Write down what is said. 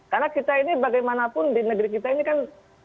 karena kita ini bagaimanapun di negeri kita ini kan